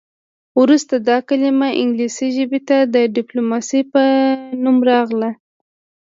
وروسته دا کلمه انګلیسي ژبې ته د ډیپلوماسي په نوم راغله